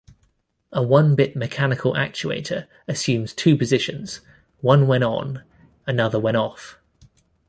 A one-bit mechanical actuator assumes two positions: one when on, another when off.